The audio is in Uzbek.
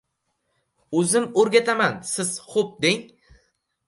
— O‘zim o‘rgataman, siz xo‘p deng!